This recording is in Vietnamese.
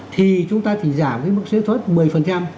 thì chúng ta chỉ giảm cái mức thuế xuất một mươi